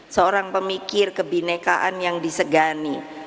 seorang pemikir kebinekaan yang disegani